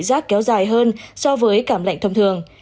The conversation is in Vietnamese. cảm giác kéo dài hơn so với cảm lệnh thông thường